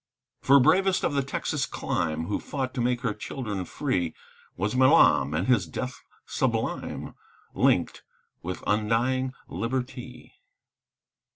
For bravest of the Texan clime, Who fought to make her children free, Was Milam, and his death sublime Linked with undying Liberty!